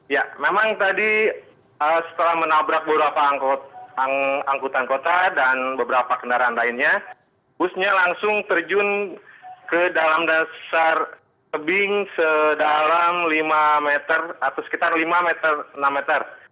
ya memang tadi setelah menabrak beberapa angkutan kota dan beberapa kendaraan lainnya busnya langsung terjun ke dalam dasar tebing sedalam lima meter atau sekitar lima meter enam meter